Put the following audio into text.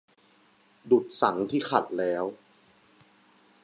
ดุจสังข์ที่ขัดแล้ว